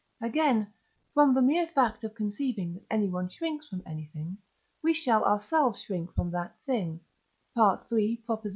Again, from the mere fact of conceiving that anyone shrinks from anything, we shall ourselves shrink from that thing (III.